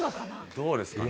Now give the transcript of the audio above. どうですかね？